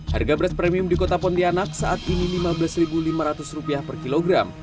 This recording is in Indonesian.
harga beras premium di kota pontianak saat ini rp lima belas lima ratus per kilogram